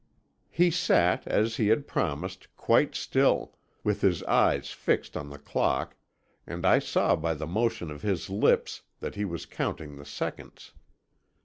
"He sat, as he had promised, quite still, with his eyes fixed on the clock, and I saw by the motion of his lips that he was counting the seconds.